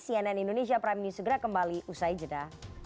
cnn indonesia prime news segera kembali usai jeda